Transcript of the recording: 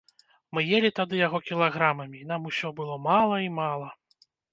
Мы елі тады яго кілаграмамі, і нам усё было мала і мала.